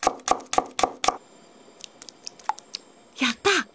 やった！